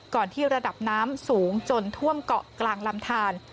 ที่ระดับน้ำสูงจนท่วมเกาะกลางลำทาน